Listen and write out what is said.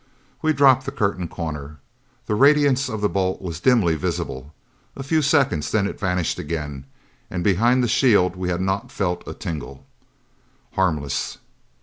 We dropped the curtain corner. The radiance of the bolt was dimly visible. A few seconds, then it vanished again, and behind the shield we had not felt a tingle. "Harmless!"